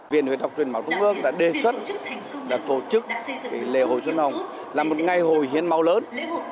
viện huyết học truyền máu trung ương đã đề xuất đã tổ chức lễ hội xuân hồng là một ngày hội hiến máu lớn